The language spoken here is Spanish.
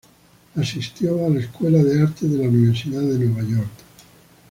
Asistió a la Escuela de Artes de la Universidad de Nueva York.